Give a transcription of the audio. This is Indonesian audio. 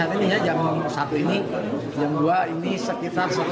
ini sudah seratus dinaikkan ya